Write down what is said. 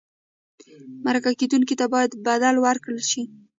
مرکه کېدونکي ته باید بدل ورکړل شي.